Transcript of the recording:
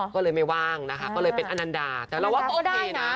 ก็เลยไม่ว่างนะคะก็เลยเป็นอนันดาแต่เราว่าเขาโอเคนะ